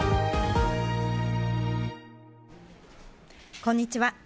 こんにちは。